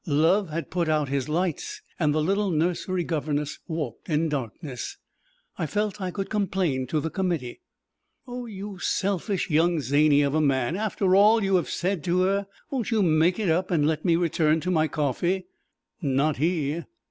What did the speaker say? Love had put out his lights, and the little nursery governess walked in darkness. I felt I could complain to the committee. Oh, you selfish young zany of a man, after all you have said to her, won't you make it up and let me return to my coffee? Not he.